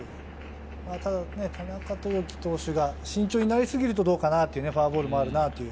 ただ、田中豊樹投手が慎重になりすぎるとどうかな、フォアボールもあるかなという。